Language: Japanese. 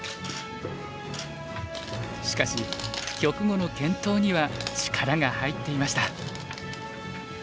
しかし局後の検討には力が入っていました。